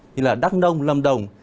như đắk nông lâm đồng